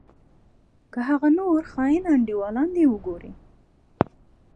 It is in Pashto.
که هغه نور خاين انډيوالان دې وګورې.